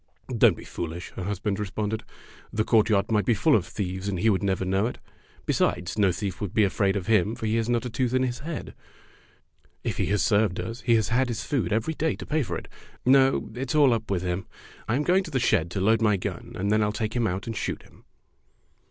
'' "Don't be foolish," her husband re sponded. "The courtyard might be full of thieves, and he would never know it. Be sides, no thief would be afraid of him, for he has not a tooth in his head. If he has served us, he has had his food every day to pay for it. No, it's all up with him. I am going to the shed to load my gun, and then I'll take him out and shoot him."